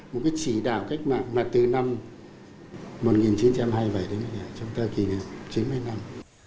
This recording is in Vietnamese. một cái chỉ đạo cách mạng mà từ năm một nghìn chín trăm hai mươi bảy đến trong thời kỳ chín mươi năm